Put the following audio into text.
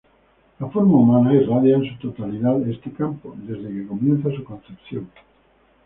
La forma humana irradia en su totalidad este campo, desde que comienza su concepción.